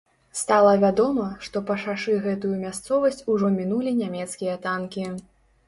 Стала вядома, што па шашы гэтую мясцовасць ужо мінулі нямецкія танкі.